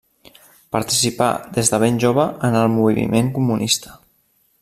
Participà des de ben jove en el moviment comunista.